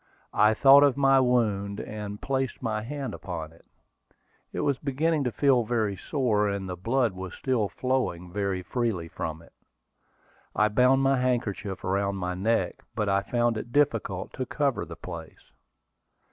I thought of my wound, and placed my hand upon it. It was beginning to feel very sore, and the blood was still flowing very freely from it. I bound my handkerchief around my neck, but I found it difficult to cover the place.